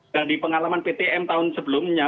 dan di pengalaman ptm tahun sebelumnya